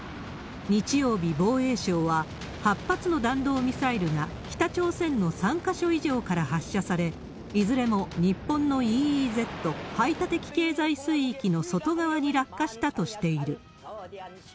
日曜日、防衛省は、８発の弾道ミサイルが北朝鮮の３か所以上から発射され、いずれも日本のＥＥＺ・排他的経済水域の外側に落下したとしている。